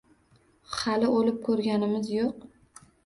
Hali oʼlib koʼrganimiz yoʼq